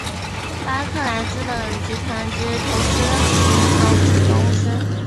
巴克莱资本集团之投资银行子公司。